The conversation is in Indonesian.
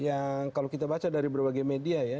yang kalau kita baca dari berbagai media ya